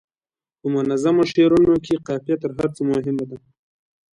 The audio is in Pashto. په منظومو شعرونو کې قافیه تر هر څه مهمه ده.